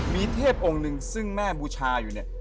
มีเทพองค์หนึ่งซึ่งแม่บูชาอยู่เนี่ย